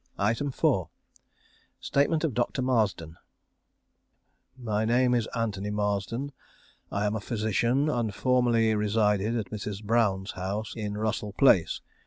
4. Statement of Dr. Marsden My name is Anthony Marsden. I am a physician, and formerly resided at Mrs. Brown's house, in Russell Place.